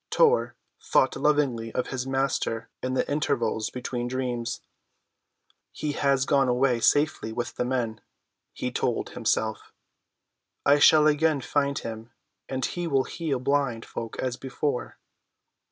Tor thought lovingly of his Master in the intervals between dreams. "He has gone away safely with the men," he told himself. "I shall again find him, and he will heal blind folk as before."